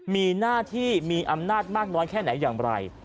มีหน้าที่มีอำนาจมากน้อยแค่ไหนอย่างไร